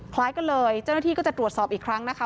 คล้ายกันเลยเจ้าหน้าที่ก็จะตรวจสอบอีกครั้งนะคะ